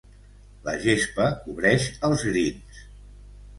La gespa cobreix els 'greens'.